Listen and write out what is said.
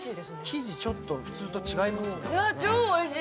生地、ちょっと普通と違いますね。